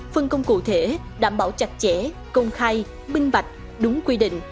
phân công cụ thể đảm bảo chặt chẽ công khai minh bạch đúng quy định